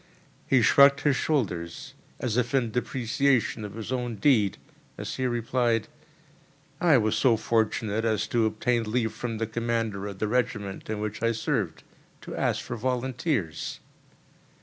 He shrugged his shoulders, as if in depreciation of his own deed, as he replied: "I was so fortunate as to obtain leave from the commander of the regiment in which I served, to ask for volunteers."